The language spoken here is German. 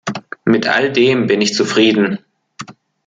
Mit all dem bin ich zufrieden.